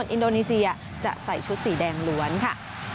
อินโดนีเซียจะใส่ชุดสีแดงล้วนค่ะ